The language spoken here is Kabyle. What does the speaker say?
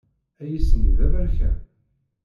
Ayis-nni d aberkan?